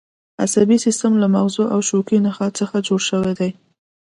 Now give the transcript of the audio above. عصبي سیستم له مغزو او شوکي نخاع څخه جوړ شوی دی